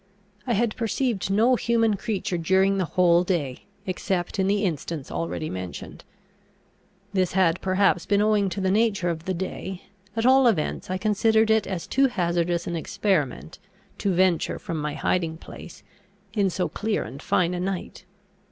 I had perceived no human creature during the whole day, except in the instance already mentioned. This had perhaps been owing to the nature of the day; at all events I considered it as too hazardous an experiment, to venture from my hiding place in so clear and fine a night.